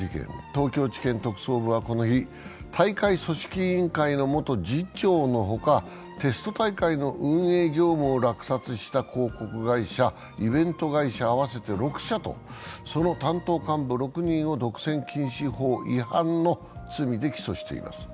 東京地検特捜部はこの日、大会組織委員会の元次長の他、テスト大会の運営業務を落札した広告会社、イベント会社合わせて６社とその担当幹部６人を独占禁止法違反の罪で起訴しています。